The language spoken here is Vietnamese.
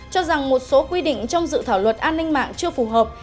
cho rằng một số quy định trong dự thảo luật an ninh mạng chưa phù hợp